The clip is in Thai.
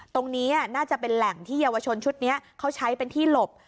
ตรงนี้น่าจะเป็นแหล่งที่เยาวชนชุดนี้เขาใช้เป็นที่หลบ